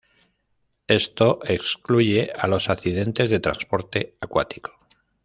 Esto excluye a los accidentes de transporte acuático.